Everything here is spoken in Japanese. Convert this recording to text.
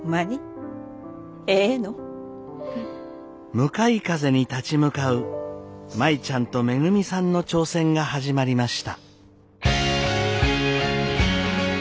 向かい風に立ち向かう舞ちゃんとめぐみさんの挑戦が始まりました。